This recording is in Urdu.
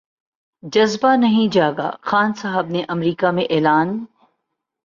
جذبہ نہیں جاگا خان صاحب نے امریکہ میں اعلان